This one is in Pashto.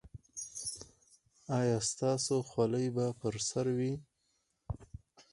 ایا ستاسو خولۍ به پر سر وي؟